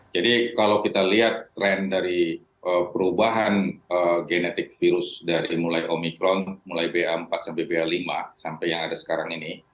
jadi kalau kita lihat tren dari perubahan genetik virus dari mulai omikron mulai ba empat sampai ba lima sampai yang ada sekarang ini